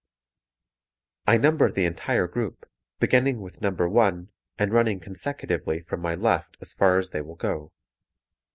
I number the entire group, beginning with number one and running consecutively from my left as far as they will go.